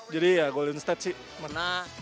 jadi ya golden state sih